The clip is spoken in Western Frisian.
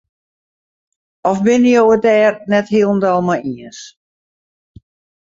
Of binne jo it dêr net hielendal mei iens?